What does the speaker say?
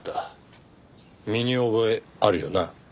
身に覚えあるよな？